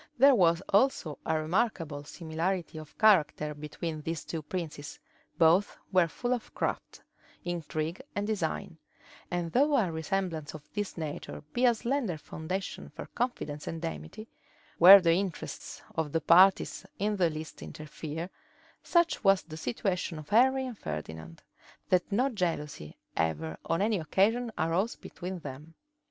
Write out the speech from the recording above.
There was also a remarkable similarity of character between these two princes; both were full of craft, intrigue, and design: and though a resemblance of this nature be a slender foundation for confidence and amity, where the interests of the parties in the least interfere, such was the situation of Henry and Ferdinand, that no jealousy ever on any occasion arose between them.